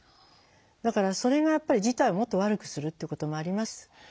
だからそれがやっぱり事態をもっと悪くするっていうこともあります。